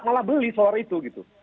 malah beli solar itu